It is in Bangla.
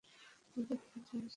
তুমি কী হতে চাইতে?